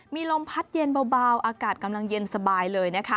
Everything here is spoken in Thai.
มีลมพัดเย็นเบาอากาศกำลังเย็นสบายเลยนะคะ